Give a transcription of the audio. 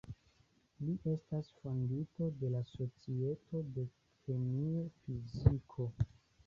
Li estas fondinto de la Societo de kemio-fiziko.